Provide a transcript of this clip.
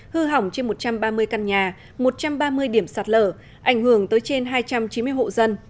hư hỏng trên một trăm ba mươi căn nhà một trăm ba mươi điểm sạt lở ảnh hưởng tới trên hai trăm chín mươi hộ dân